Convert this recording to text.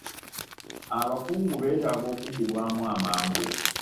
Abakungu beetaaga okuddibwamu amangu.